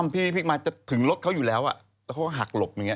พลิกมาจะถึงรถเขาอยู่แล้วเขาก็หักหลบ